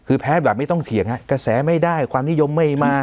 คือแพ้แบบไม่ต้องเถียงกระแสไม่ได้ความนิยมไม่มา